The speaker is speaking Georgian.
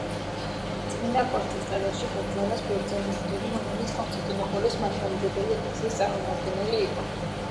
წმინდა კვართის ტაძარში გაგზავნეს ბერძენი მღვდელი, რომელიც კონსტანტინოპოლის მართლმადიდებელი ეკლესიის წარმომადგენელი იყო.